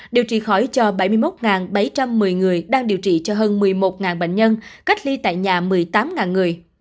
điều trị khỏi cho bảy mươi một bảy trăm một mươi người đang điều trị cho hơn một mươi một bệnh nhân cách ly tại nhà một mươi tám người